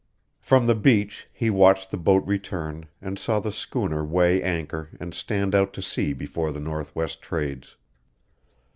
From the beach he watched the boat return and saw the schooner weigh anchor and stand out to sea before the northwest trades.